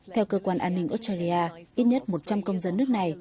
theo cơ quan an ninh australia ít nhất một trăm linh công dân nước này